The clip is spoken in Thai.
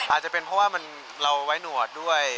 อาจจะเป็นเพราะว่าเราไว้หนวดด้วย